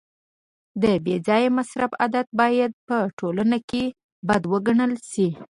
د بې ځایه مصرف عادت باید په ټولنه کي بد وګڼل سي.